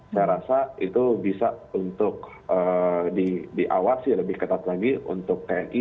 saya rasa itu bisa untuk diawasi lebih ketat lagi untuk tni